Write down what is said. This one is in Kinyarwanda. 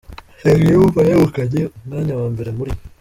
nsengiyumva yegukanye umwanya wa mbere muri